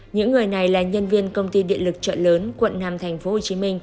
những người này là nhân viên công ty điện lực chợ lớn quận năm tp hcm